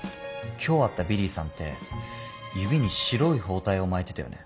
今日会ったビリーさんって指に白い包帯を巻いてたよね？